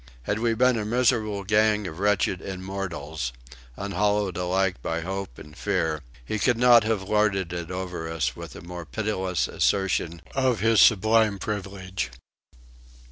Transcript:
Had we been a miserable gang of wretched immortals, unhallowed alike by hope and fear, he could not have lorded it over us with a more pitiless assertion of his sublime privilege.